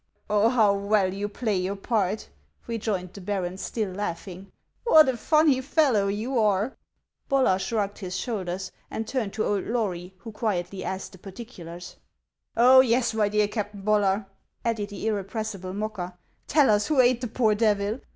" Oh, how well you play your part !" rejoined the baron, still laughing ;" what a funny fellow you are !" Bollar shrugged his shoulders, and turned to old Lory, who quietly asked the particulars. " Oh, yes, my dear Captain Bollar," added the irrepres sible mocker ;" tell us who ate the poor devil.